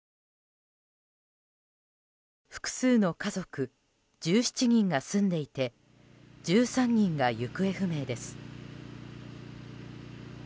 複数の家族１７人が住んでいて１３人が行方不明です。